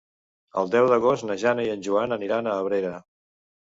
El deu d'agost na Jana i en Joan aniran a Abrera.